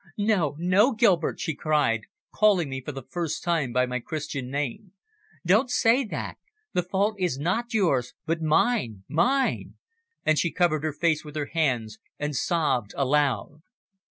"No, no, Gilbert," she cried, calling me for the first time by my Christian name, "don't say that. The fault is not yours, but mine mine," and she covered her face with her hands and sobbed aloud.